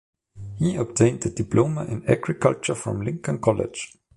He obtained a diploma in agriculture from Lincoln College.